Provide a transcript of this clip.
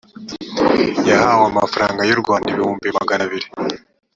yahawe amafarangay u rwanda ibihumbi magana abiri